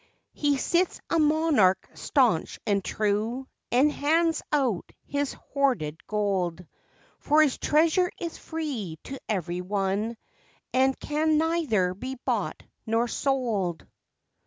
He sits a monarch staunch and true, And hands out his hoarded gold, For his treasure is free to every one, And can neither be bought nor sold.